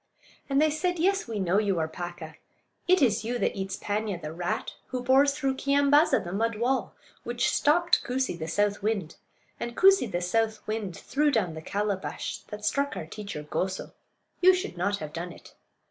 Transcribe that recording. And they said: "Yes, we know you are Paaka; it is you that eats Paanya, the rat; who bores through Keeyambaaza, the mud wall; which stopped Koosee, the south wind; and Koosee, the south wind, threw down the calabash that struck our teacher Goso. You should not have done it."